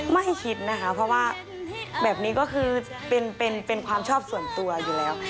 ไม่คิดนะคะเพราะว่าแบบนี้ก็คือเป็นความชอบส่วนตัวอยู่แล้ว